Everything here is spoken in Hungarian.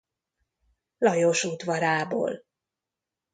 Lajos udvarából.